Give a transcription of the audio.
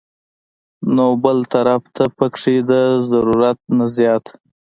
نو بل طرف ته پکښې د ضرورت نه زيات